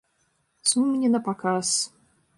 Сум не на паказ.